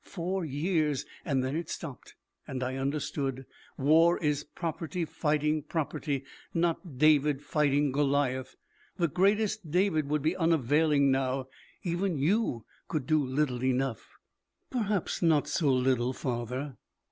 Four years. And then it stopped. And I understood. War is property fighting property, not David fighting Goliath. The greatest David would be unavailing now. Even you could do little enough." "Perhaps not so little, father."